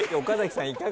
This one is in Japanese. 岡崎さん